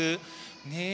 ねえ。